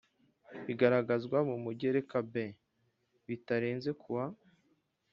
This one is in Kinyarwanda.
bigaragazwa mu Mugereka B bitarenze ku wa